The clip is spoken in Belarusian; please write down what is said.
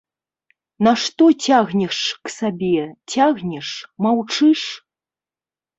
Нашто цягнеш к сабе, цягнеш, маўчыш?